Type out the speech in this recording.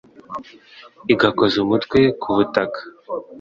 igakoza umutwe ku butaka,